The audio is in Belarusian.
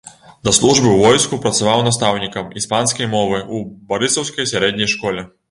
Да службы ў войску працаваў настаўнікам іспанскай мовы ў барысаўскай сярэдняй школе.